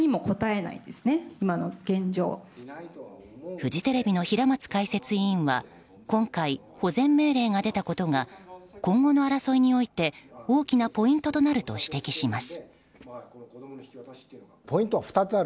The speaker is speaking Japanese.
フジテレビの平松解説委員は今回、保全命令が出たことが今後の争いにおいて大きなポイントとなると指摘します。